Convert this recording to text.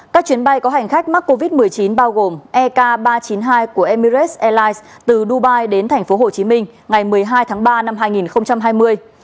các chuyến bay có hành khách mắc covid một mươi chín bao gồm ek ba trăm chín mươi hai của emirates airlines từ dubai đến tp hcm ngày một mươi hai tháng ba năm hai nghìn hai mươi